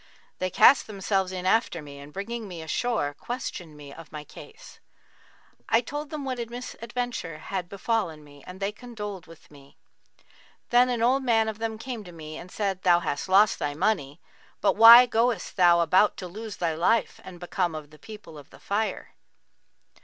They cast themselves in after me and bringing me ashore, questioned me of my case. I told them what misadventure had befallen me and they condoled with me. Then an old man of them came to me and said, 'Thou hast lost thy money, but why goest thou about to lose thy life and become of the people of The Fire?